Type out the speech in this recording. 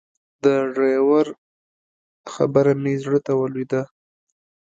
د ډرایور خبره مې زړه ته ولوېده.